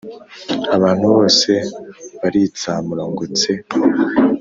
abantu bose baritsamura ngo tse